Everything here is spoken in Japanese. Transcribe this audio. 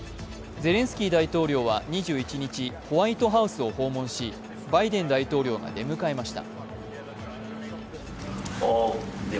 ゼレンスキー大統領は２１日、ホワイトハウスを訪問し、バイデン大統領が出迎えました。